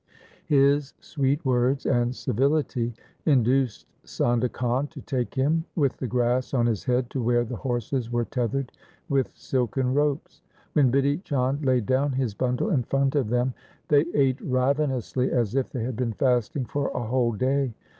His sweet words and civility induced Sondha Khan to take him with the grass on his head to where the horses were tethered with silken ropes. When Bidhi Chand laid down his bundle in front of them, they ate ravenously as if they had been fasting for a whole day.